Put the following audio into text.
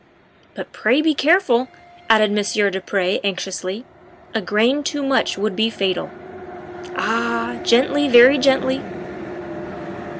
" But pray be careful," added Monsieur du Pre anx iously, " a grain too much would be fatal. Ah! Gently very gently."